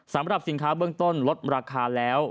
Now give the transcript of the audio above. สำหรับสินค้าเบื้องต้นลดราคาแล้ว